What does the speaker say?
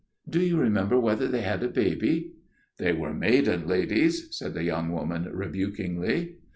"Do you remember whether they had a baby?" "They were maiden ladies," said the young woman rebukingly.